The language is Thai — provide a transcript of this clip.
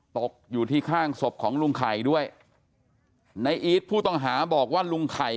ตกอยู่ที่ข้างศพของลุงไข่ด้วยในอีทผู้ต้องหาบอกว่าลุงไข่